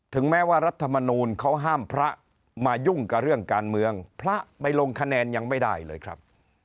แม้ว่ารัฐมนูลเขาห้ามพระมายุ่งกับเรื่องการเมืองพระไปลงคะแนนยังไม่ได้เลยครับ